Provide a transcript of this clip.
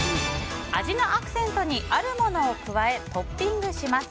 味のアクセントにあるものを加えトッピングします。